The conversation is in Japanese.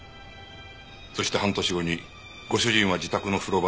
そして半年後にご主人は自宅の風呂場で溺死した。